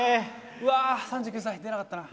うわ３９歳出なかったな。